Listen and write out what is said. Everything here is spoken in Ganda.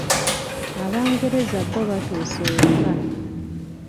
Abangereza bo batuuse ewaka.